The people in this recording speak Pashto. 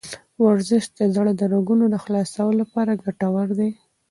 ورزش د زړه د رګونو د خلاصولو لپاره ګټور دی.